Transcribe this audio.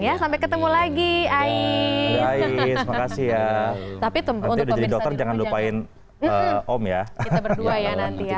selamat tinggal dan katakan lagi kelima ulang tahun alkhidum di val hitting